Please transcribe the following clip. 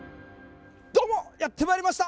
どうもやってまいりました。